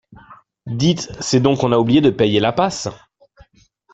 Dites, c’est donc qu’on a oublié de payer la passe!